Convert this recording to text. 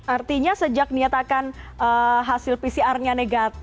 artinya sejak nyatakan hasil pcr nya negatif prof ariyati ini merasakan berapa lama